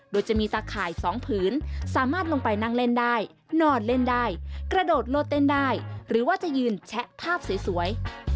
โดยจะมีตะข่าย๒ผืนสามารถลงไปนั่งเล่นได้นอนเล่นได้กระโดดโลดเต้นได้หรือว่าจะยืนแชะภาพสวย